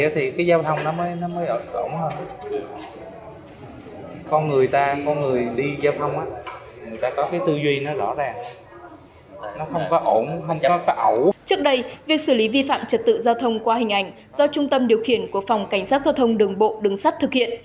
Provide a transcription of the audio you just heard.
trước đây việc xử lý vi phạm trật tự giao thông qua hình ảnh do trung tâm điều khiển của phòng cảnh sát giao thông đường bộ đường sắt thực hiện